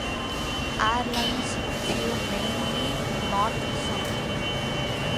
Airlines flew mainly north-south.